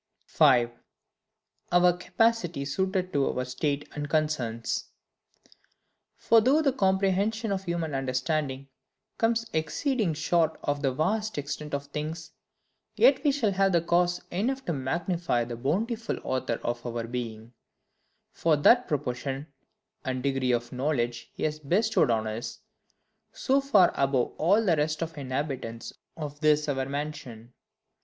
5. Our Capacity suited to our State and Concerns. For though the comprehension of our understandings comes exceeding short of the vast extent of things, yet we shall have cause enough to magnify the bountiful Author of our being, for that proportion and degree of knowledge he has bestowed on us, so far above all the rest of the inhabitants of this our mansion.